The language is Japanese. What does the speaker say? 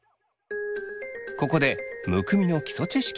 ここでむくみの基礎知識。